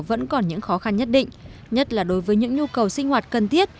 vẫn còn những khó khăn nhất định nhất là đối với những nhu cầu sinh hoạt cần thiết